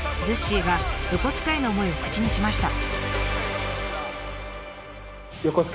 Ｚｕｓｓｙが横須賀への思いを口にしました。